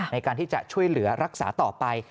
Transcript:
ในการที่จะช่วยเหลือรักษาต่อไป